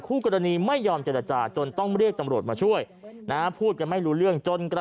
คู่กรณีไม่ยอมเจรจาจนต้องเรียกตำรวจมาช่วยนะพูดกันไม่รู้เรื่องจนกระทั่ง